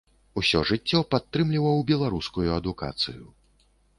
Усё жыццё падтрымліваў беларускую адукацыю.